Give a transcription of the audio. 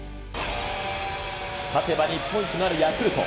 勝てば日本一となるヤクルト。